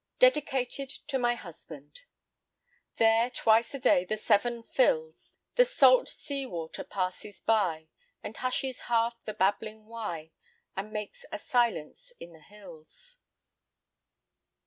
Dedicated to My Husband There twice a day the Severn fills; The salt sea water passes by, And hushes half the babbling Wye, And makes a silence in the hills.